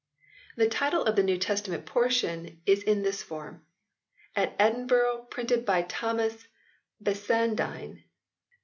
The title of the New Testament portion is in this form : "At Edinburgh, Printed by Thomas Bassandyne M.D.